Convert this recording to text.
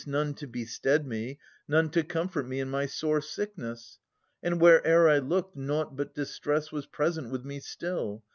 None to bestead me, none to comfort me In my sore sickness. And where'er I looked. Nought but distress was present with me still.